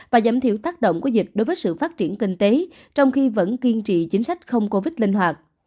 và giảm thiểu tác động của dịch đối với sự phát triển kinh tế trong khi vẫn kiên trì chính sách không covid linh hoạt